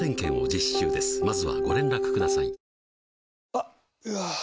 あっ、うわー。